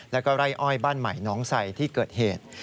แล้วก็ไร่อ้อยบ้านใหม่น้องใส่ที่เกิดเหตุ